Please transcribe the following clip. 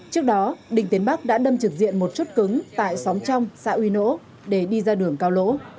trước đó đinh tiến bắc đã đâm trực diện một chốt cứng tại xóm trong xã uy nỗ để đi ra đường cao lũ